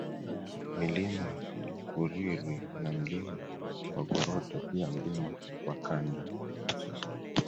Milima ya Kurwirwi na Mlima Kwagoroto pia Mlima Kwakanda